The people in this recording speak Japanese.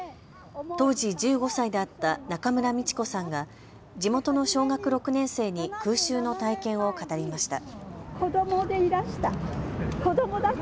当時１５歳だった中村道子さんが地元の小学６年生に空襲の体験を語りました。